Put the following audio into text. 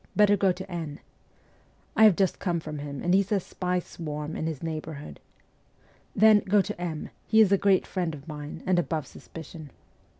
Better go to N .'' I have just come from him, and he says spies swarm in his neighbourhood. ' Then, go to M ; he is a great friend of mine, and above suspicion.